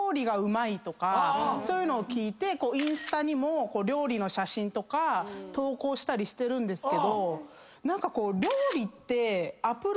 そういうのを聞いてインスタにも料理の写真とか投稿したりしてるんですけど何かこう。